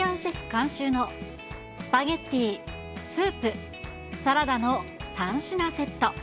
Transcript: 監修のスパゲッティ、スープ、サラダの３品セット。